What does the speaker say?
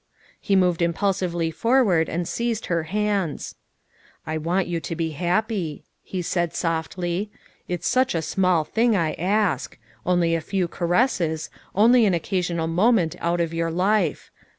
He moved impulsively forward and seized her hands. " I want you to be happy," he said softly; " it's such a small thing I ask : only a few caresses only an occasional moment out of your life.